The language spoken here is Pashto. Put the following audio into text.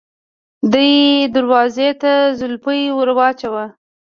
دې دروازې ته زولفی ور واچوه.